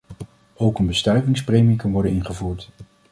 Ook een bestuivingspremie kan worden ingevoerd.